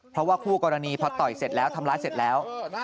เพราะว่าคู่กรณีพอต่อยเสร็จแล้วทำร้ายเสร็จแล้ว